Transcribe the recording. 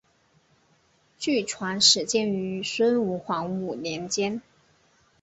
据传始建于孙吴黄武年间。